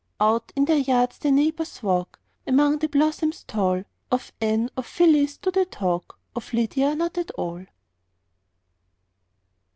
Out in their yards the neighbors walk, Among the blossoms tall; Of Anne, of Phyllis, do they talk, Of Lydia not at all.